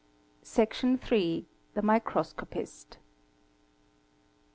Section iii. The Microscopist.